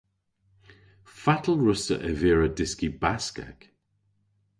Fatel wruss'ta ervira dyski Baskek?